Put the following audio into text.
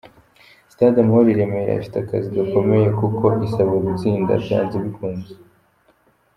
Stade Amahoro i Remera, ifite akazi gakomeye kuko isabwa gutsinda byanze bikunze.